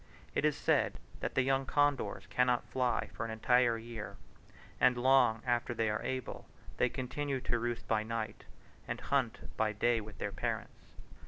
It is said that the young condors cannot fly for an entire year; and long after they are able, they continue to roost by night, and hunt by day with their parents.